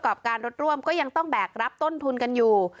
การรถร่วมก็ยังต้องแบกรับต้นทุนกันอยู่